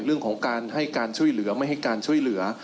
เรื่องของการให้การช่วยเหลือไม่ให้การช่วยเหลือ